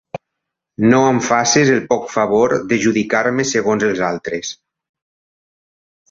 No em faces el poc favor de judicar-me segons els altres.